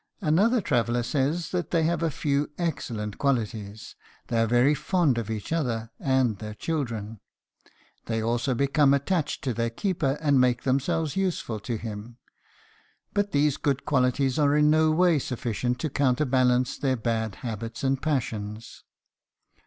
Another traveler says that they have a few excellent qualities; they are very fond of each other and their children; they also become attached to their keeper and make themselves useful to him. "But these good qualities are in no way sufficient to counterbalance their bad habits and passions.